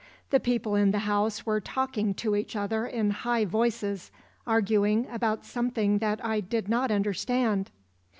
The people in the house were talking to each other in high voices, arguing about something that I did not understand.